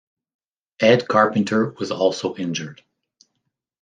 Ed Carpenter was also injured.